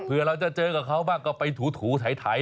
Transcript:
ถ้าเราจะเจอกับเขามากก็ไปถูไถ